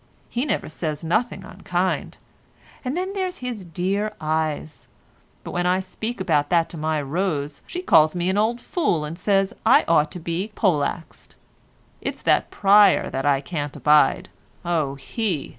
He never says nothing unkind. And then there's his dear eyes—but when I speak about that to my Rose she calls me an old fool and says I ought to be poleaxed. It's that Pryer as I can't abide. Oh he!